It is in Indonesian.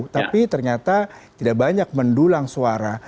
tapi ternyata tidak banyak mendulang suara